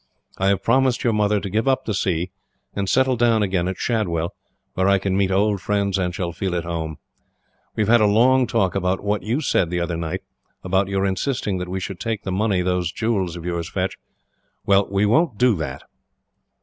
I have promised your mother to give up the sea, and settle down again at Shadwell, where I can meet old friends and shall feel at home. We have had a long talk over what you said the other night, about your insisting that we should take the money those jewels of yours fetch. Well, we won't do that."